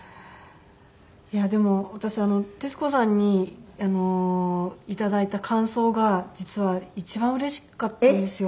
いやでも私徹子さんに頂いた感想が実は一番うれしかったんですよ。